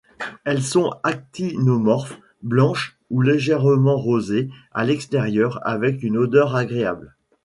Elles sont actinomorphes, blanches ou légèrement rosé à l'extérieur avec une odeur agréable.